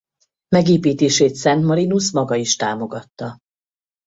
Megépítését Szent Marinus maga is támogatta.